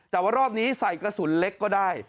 แต่ว่ารอบนี้ใส่กระสุนเล็กก็ได้